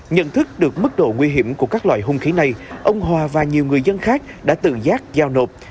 nhận thức được mức độ nguy hiểm của các loại hung khí này ông hòa và nhiều người dân khác đã tự giác giao nộp